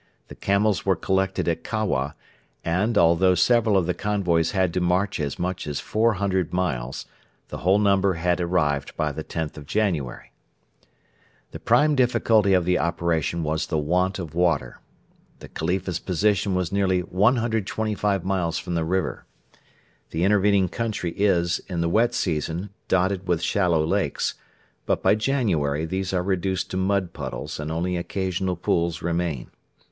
The camels were collected at Kawa, and, although several of the convoys had to march as much as 400 miles, the whole number had arrived by the 10th of January. The prime difficulty of the operation was the want of water. The Khalifa's position was nearly 125 miles from the river. The intervening country is, in the wet season, dotted with shallow lakes, but by January these are reduced to mud puddles and only occasional pools remain.